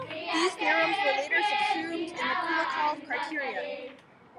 These theorems were later subsumed in the Kulikov criterion.